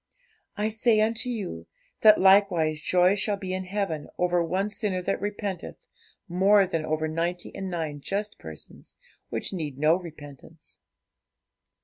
I say unto you, that likewise joy shall be in heaven over one sinner that repenteth, more than over ninety and nine just persons, which need no repentance.'